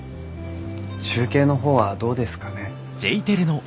中継の方はどうですかね？